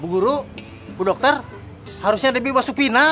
bu guru bu dokter harusnya debbie masuk final